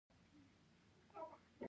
مالي سواد د شخصي مالي بریالیتوب راز دی.